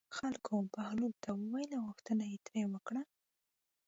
خلکو بهلول ته وویل او غوښتنه یې ترې وکړه.